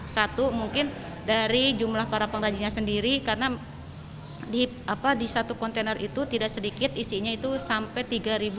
satu mungkin dari jumlah para pengrajinnya sendiri karena di satu kontainer itu tidak sedikit isinya itu sampai tiga ratus